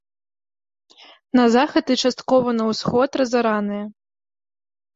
На захад і часткова на ўсход разараныя.